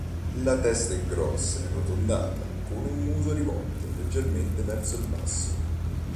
La testa è grossa ed arrotondata, con muso rivolto leggermente verso il basso.